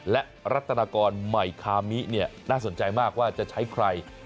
และรัฐนากรใหม่คามิน่าสนใจมากว่าจะใช้ใคร